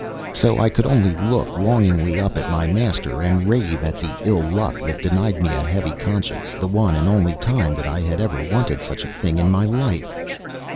So I could only look longingly up at my master, and rave at the ill luck that denied me a heavy conscience the one only time that I had ever wanted such a thing in my life.